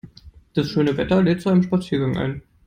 Das schöne Wetter lädt zu einem Spaziergang ein.